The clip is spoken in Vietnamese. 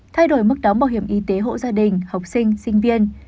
thay đổi mức đóng bảo hiểm y tế hộ gia đình học sinh sinh viên